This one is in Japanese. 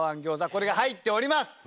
これが入っております！